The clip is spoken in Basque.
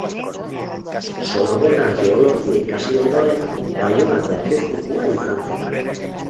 Sorbonan teologia ikasi ondoren, Baionako apezpikua izan zen.